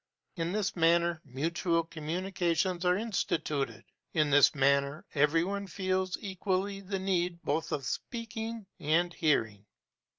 In this manner, mutual communications are instituted; in this manner, every one feels equally the need both of speaking and hearing.